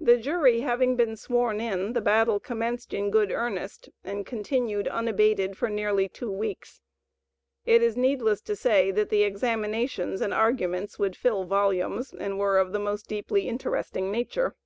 The jury having been sworn in, the battle commenced in good earnest, and continued unabated for nearly two weeks. It is needless to say, that the examinations and arguments would fill volumes, and were of the most deeply interesting nature.